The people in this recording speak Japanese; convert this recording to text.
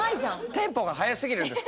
テンポが速すぎるんです。